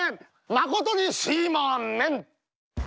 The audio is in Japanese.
「まことにすいまめーん」